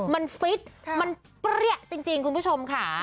มันฟิตมันเปรี้ยจริงคุณผู้ชมค่ะ